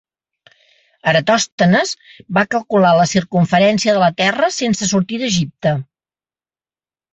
Eratòstenes va calcular la circumferència de la Terra sense sortir d'Egipte.